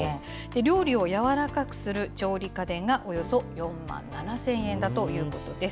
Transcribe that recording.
料理を軟らかくする調理家電がおよそ４万７０００円だということです。